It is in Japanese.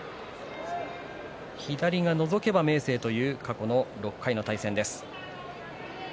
左がのぞけば明生という過去６回の対戦です。